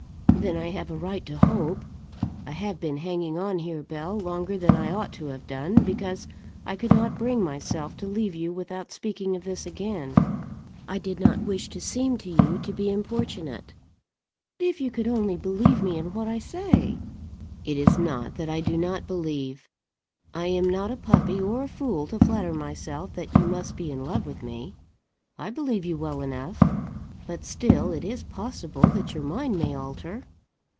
"Then I have a right to hope. I have been hanging on here, Bell, longer than I ought to have done, because I could not bring myself to leave you without speaking of this again. I did not wish to seem to you to be importunate " "If you could only believe me in what I say." "It is not that I do not believe. I am not a puppy or a fool, to flatter myself that you must be in love with me. I believe you well enough. But still it is possible that your mind may alter."